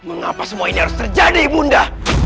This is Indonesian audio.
mengapa semua ini harus terjadi ibu unda